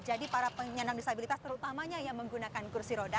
jadi para penyandang disabilitas terutamanya yang menggunakan kursi roda